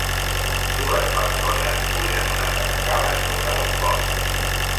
Dues persones pugen unes escales sobre un pont